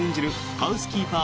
ハウスキーパー